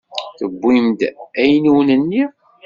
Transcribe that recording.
Tewwim-d ayen i wen-nniɣ?